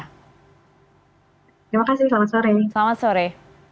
terima kasih selamat sore selamat sore